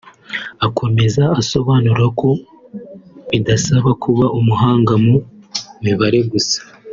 Akomeza asobanura ko bidasaba kuba umuhanga mu mibare gusa